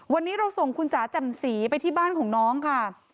วันนี้เราส่งคุณจ๋าแจ่มสีไปที่บ้านของน้องค่ะ